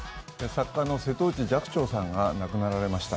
作家の瀬戸内寂聴さんが亡くなられました。